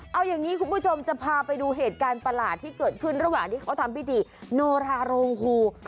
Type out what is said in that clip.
เอาอย่างนี้คุณผู้ชมจะพาไปดูเหตุการณ์ประหลาดที่เกิดขึ้นระหว่างที่เขาทำพิธีโนราโรงฮู